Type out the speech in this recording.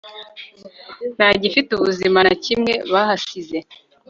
nta gifite ubuzima na kimwe bahasize